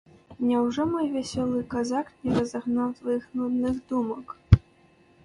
Няўжо мой вясёлы казак не разагнаў тваіх нудных думак?